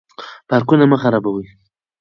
پارکونه مه خرابوئ.